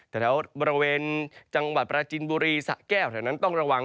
แถวบริเวณจังหวัดปราจินบุรีสะแก้วแถวนั้นต้องระวัง